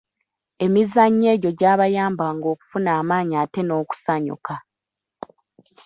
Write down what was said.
Emizannyo egyo gyabayambanga okufuna amaanyi ate n’okusanyukaa.